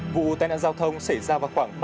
vụ tai nạn giao thông xảy ra vào khoảng